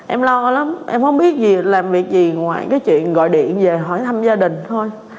em lo lắm em không biết gì làm việc gì ngoài cái chuyện gọi điện về hỏi thăm gia đình thôi